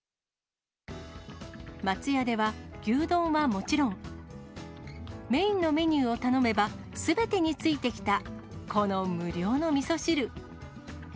松屋では、牛丼はもちろん、メインのメニューを頼めば、すべてに付いてきた、この無料のみそ汁。